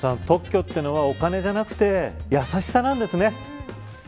特許というのは、お金じゃなくて優しさなんですね。